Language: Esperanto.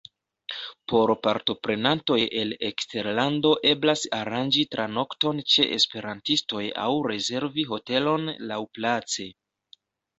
Por partoprenantoj el eksterlando eblas aranĝi tranokton ĉe esperantistoj aŭ rezervi hotelon laŭplace.